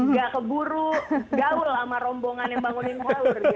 enggak keburu gaul sama rombongan yang bangunin warga